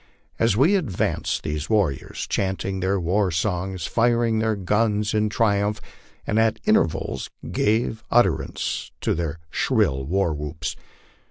As we advanced these warriors chanted their war songs, fired their guns in tri umph, and at intervals gave utterance to their shrill war whoops.